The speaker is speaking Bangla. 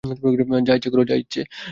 যা ইচ্ছে কর।